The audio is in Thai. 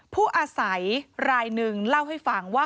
ผู้อาศัยรายหนึ่งเล่าให้ฟังว่า